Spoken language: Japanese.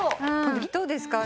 どうですか？